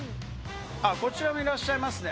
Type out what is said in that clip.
こちらにもいらっしゃいますね。